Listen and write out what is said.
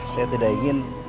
saya tidak ingin